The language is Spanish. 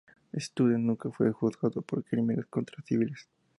Student nunca fue juzgado por crímenes contra civiles.